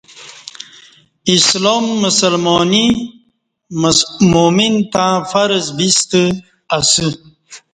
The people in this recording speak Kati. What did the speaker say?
اسلام مسلمانی مؤمن تہ فرض بیستہ اسہ